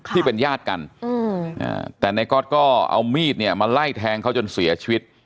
ที่เป็นญาติกันแต่ในก๊อตก็เอามีดเนี่ยมาไล่แทงเขาจนเสียชีวิต